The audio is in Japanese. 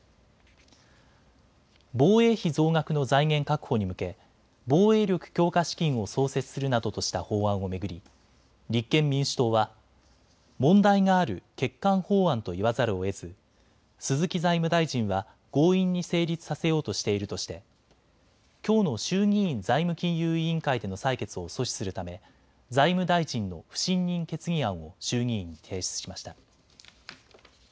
防衛費増額の財源確保に向け防衛力強化資金を創設するなどとした法案を巡り立憲民主党は問題がある欠陥法案と言わざるをえず鈴木財務大臣は強引に成立させようとしているとしてきょうの衆議院財務金融委員会での採決を阻止するため財務大臣の不信任決議案を衆議院に提出しました。